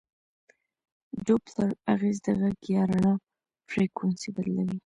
د ډوپلر اغېز د غږ یا رڼا فریکونسي بدلوي.